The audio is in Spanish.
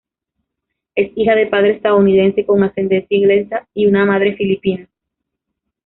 Es hija de padre estadounidense con ascendencia inglesa y un madre filipina.